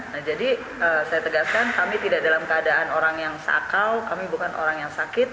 nah jadi saya tegaskan kami tidak dalam keadaan orang yang sakau kami bukan orang yang sakit